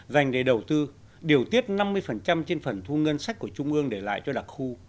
dành để đầu tư điều tiết năm mươi trên phần thu ngân sách của trung ương để lại cho đặc khu